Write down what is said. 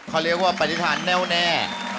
เขาเรียกว่าปฏิฐานแน่วแน่